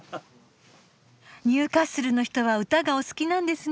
ニューカッスルの人は歌がお好きなんですね。